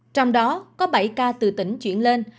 trong đó có bảy ca từ tỉnh chuyển lên